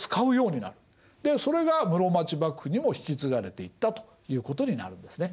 でそれが室町幕府にも引き継がれていったということになるんですね。